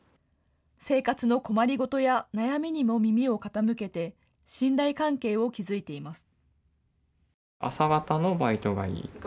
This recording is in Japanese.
生活の困り事や悩みにも耳を傾けて信頼関係を築いています。